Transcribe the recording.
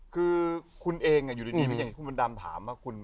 คือคุณเองอยู่ดีอย่างที่คุณมดดำถามว่าคุณ